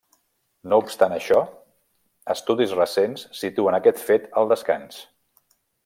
No obstant això, estudis recents situen aquest fet al descans.